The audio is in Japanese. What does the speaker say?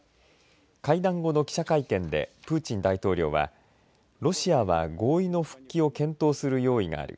会談後の記者会見でプーチン大統領はロシアは合意の復帰を検討する用意がある。